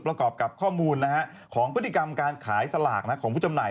ประกอบกับข้อมูลของพฤติกรรมการขายสลากของผู้จำหน่าย